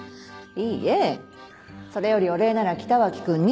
いいえそれよりお礼なら北脇君に。